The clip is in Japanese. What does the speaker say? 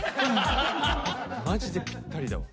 マジでぴったりだわ。